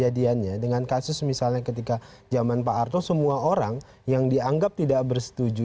prinsipnya adalah sebetulnya setiap orang yang tertuduh